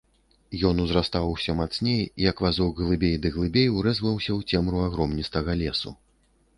Ён узрастаў усё мацней, як вазок глыбей ды глыбей урэзваўся ў цемру агромністага лесу.